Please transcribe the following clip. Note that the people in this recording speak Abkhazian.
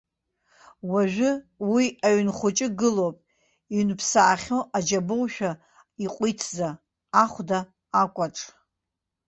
Уажәы уи аҩн хәыҷы гылоуп иҩнԥсаахьоу аџьабошәа иҟәиҭӡа, ахәда акәаҽ.